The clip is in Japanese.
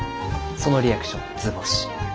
そのリアクション図星。